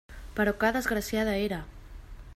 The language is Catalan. Però que desgraciada era!